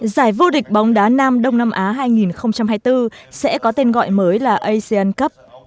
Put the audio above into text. giải vô địch bóng đá nam đông nam á hai nghìn hai mươi bốn sẽ có tên gọi mới là asean cup